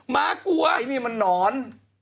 พี่อันนี้มันนอน